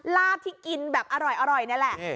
ลาบที่กินแบบอร่อยนี่แหละ